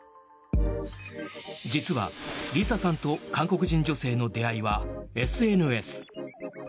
実は、梨沙さんと韓国人女性の出会いはＳＮＳ。